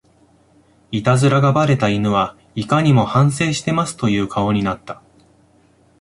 イタズラがバレた犬はいかにも反省してますという顔になった